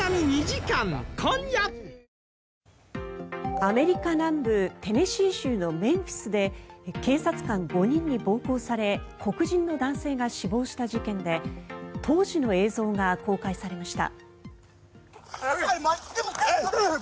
アメリカ南部テネシー州のメンフィスで警察官５人に暴行され黒人の男性が死亡した事件で当時の映像が公開されました。